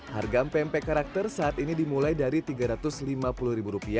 harga mpe mpe karakter saat ini dimulai dari rp tiga ratus lima puluh